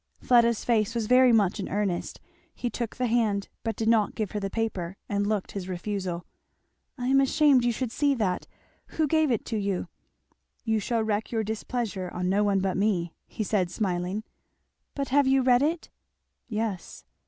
Fleda's face was very much in earnest. He took the hand but did not give her the paper, and looked his refusal. "I am ashamed you should see that! who gave it to you?" "You shall wreak your displeasure on no one but me," he said smiling. "But have you read it?" "Yes."